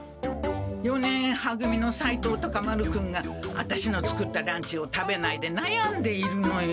四年は組の斉藤タカ丸君がアタシの作ったランチを食べないでなやんでいるのよ。